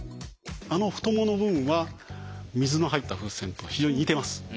あの太ももの部分は水の入った風船と非常に似てます。